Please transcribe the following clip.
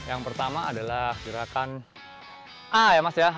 yang pertama adalah gerakan a ya mas ya